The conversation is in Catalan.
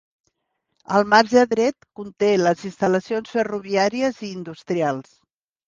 El marge dret conté les instal·lacions ferroviàries i industrials.